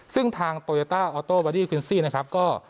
ซึ่งทางโตโยต้าออโตวาดี้ควินซี่นะครับก็